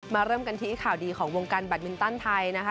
เริ่มกันที่ข่าวดีของวงการแบตมินตันไทยนะคะ